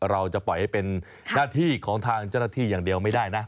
เราจะปล่อยให้เป็นหน้าที่ของทางเจ้าหน้าที่อย่างเดียวไม่ได้นะ